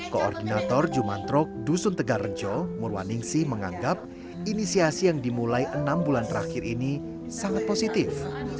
koordinator jumantrok dusun tegar rejo murwaningsi menganggap inisiasi yang dimulai enam bulan terakhir ini sangat positif